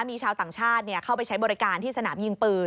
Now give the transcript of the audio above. มีชาวต่างชาติเข้าไปใช้บริการที่สนามยิงปืน